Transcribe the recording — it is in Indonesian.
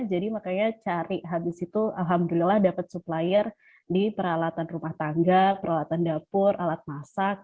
jadi makanya cari habis itu alhamdulillah dapat supplier di peralatan rumah tangga peralatan dapur alat masak